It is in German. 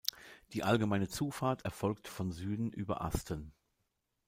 Die allgemeine Zufahrt erfolgt von Süden über Asten.